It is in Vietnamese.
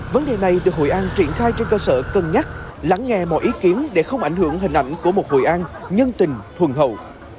vấn đề này được hội an triển khai trên cơ sở cân nhắc lắng nghe mọi ý kiến để không ảnh hưởng hình ảnh của một hội an nhân tình thuần hậu